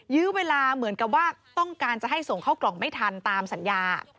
ยื้อเวลาเหมือนกับว่าต้องการจะให้ส่งเข้ากล่องไม่ทันตามสัญญา